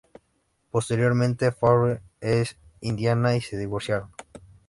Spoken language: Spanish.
Posteriormente, Favre e Indiana se divorciaron.